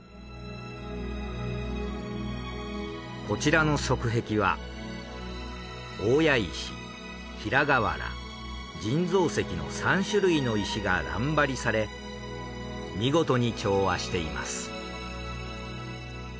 こちらの側壁は大谷石平瓦人造石の３種類の石が乱張りされ見事に調和しています。